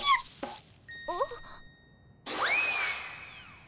あっ。